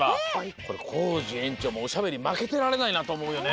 これコージえんちょうもおしゃべりまけてられないなとおもうよね。